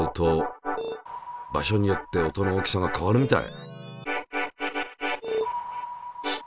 場所によって音の大きさが変わるみたい。